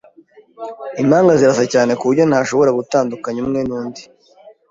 Impanga zirasa cyane kuburyo ntashobora gutandukanya umwe nundi.